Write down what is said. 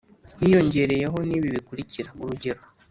hiyongereyeho nibi bikurikira urugero